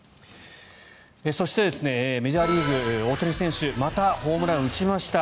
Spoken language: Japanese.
そして、メジャーリーグ大谷選手またホームランを打ちました。